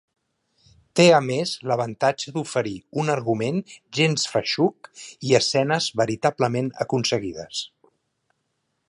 Té a més l'avantatge d'oferir un argument gens feixuc i escenes veritablement aconseguides.